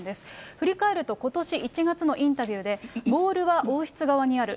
振り返るとことし１月のインタビューで、ボールは王室側にある。